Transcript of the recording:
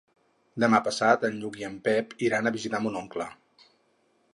Demà passat en Lluc i en Pep iran a visitar mon oncle.